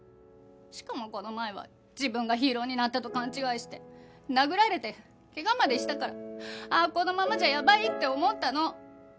しかもこの前は自分がヒーローになったと勘違いして殴られて怪我までしたからあこのままじゃやばいって思ったの。